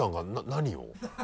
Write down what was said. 何を？